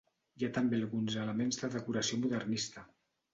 Hi ha també alguns elements de decoració modernista.